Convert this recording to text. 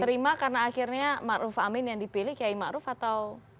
terima karena akhirnya ma'ruf amin yang dipilih kiai ma'ruf atau